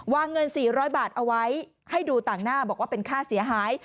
เงิน๔๐๐บาทเอาไว้ให้ดูต่างหน้าบอกว่าเป็นค่าเสียหาย